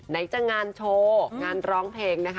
ไหนจะงานโชว์งานร้องเพลงนะคะ